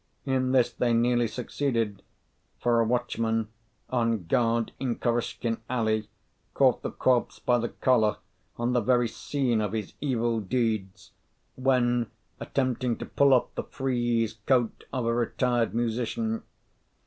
In this they nearly succeeded; for a watchman, on guard in Kirushkin Alley, caught the corpse by the collar on the very scene of his evil deeds, when attempting to pull off the frieze coat of a retired musician.